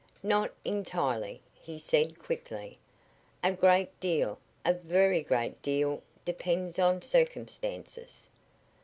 "Not entirely," he said, quickly. "A great deal a very great deal depends on circumstances.